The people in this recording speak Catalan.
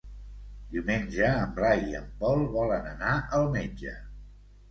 Diumenge en Blai i en Pol volen anar al metge.